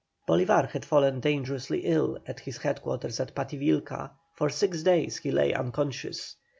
Bolívar had fallen dangerously ill at his head quarters at Pativilca; for six days he lay unconscious.